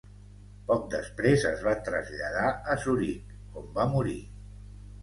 Poc després es van traslladar a Zuric, on va morir.